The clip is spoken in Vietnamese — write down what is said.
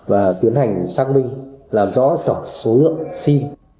và tiến hành xác minh làm rõ tổng số lượng sim